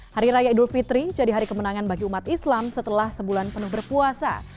hari raya idul fitri jadi hari kemenangan bagi umat islam setelah sebulan penuh berpuasa